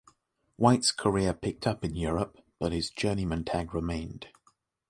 White's career picked up in Europe, but his journeyman tag remained.